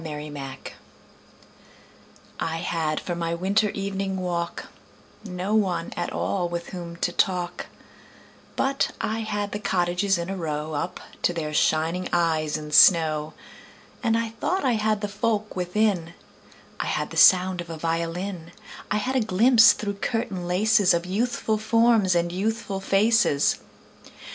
Good Hours I HAD for my winter evening walk No one at all with whom to talk, But I had the cottages in a row Up to their shining eyes in snow. And I thought I had the folk within: I had the sound of a violin; I had a glimpse through curtain laces Of youthful forms and youthful faces.